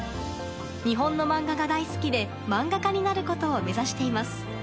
日本の漫画が大好きで漫画家になることを目指しています。